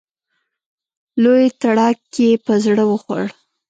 لوی تړک یې په زړه وخوړ.